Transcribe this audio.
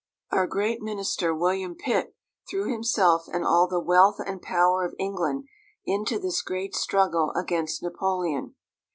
Our great minister, William Pitt, threw himself and all the wealth and power of England into this great struggle against Napoleon.